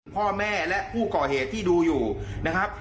พ่อแม่และผู้ก่อเหตุที่ดูอยู่นะครับ